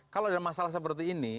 kalau ada masalah seperti ini